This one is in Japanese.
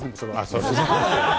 そうですか。